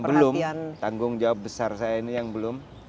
belum tanggung jawab besar saya ini yang belum